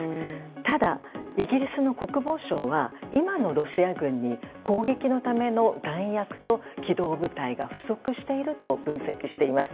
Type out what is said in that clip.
ただ、イギリスの国防省は今のロシア軍に攻撃のための弾薬と機動部隊が不足していると分析しています。